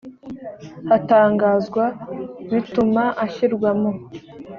hatangazwa bituma ashyirwa mu